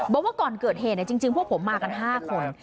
บอกว่าก่อนเกิดเหตุจริงพวกผมมากัน๕คน